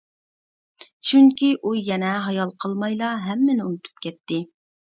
چۈنكى ئۇ يەنە ھايال قالمايلا ھەممىنى ئۇنتۇپ كەتتى.